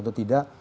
untuk atau tidak